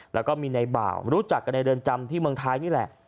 แล้วก็มีในบ่าวรู้จักกันในเรือนจำที่เมืองไทยนี่แหละ